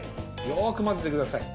よくまぜてください。